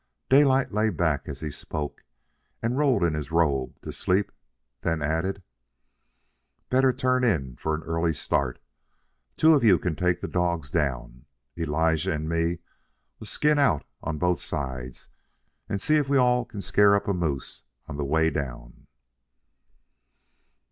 Daylight lay back, as he spoke, and rolled in his robe to sleep, then added: "Better turn in for an early start. Two of you can take the dogs down. Elijah and me'll skin out on both sides and see if we all can scare up a moose on the way down."